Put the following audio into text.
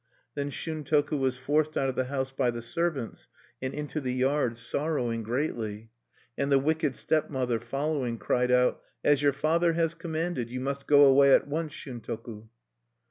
Then Shuntoku was forced out of the house by the servants, and into the yard, sorrowing greatly. And the wicked stepmother, following, cried out: "As your father has commanded, you must go away at once, Shuntoku."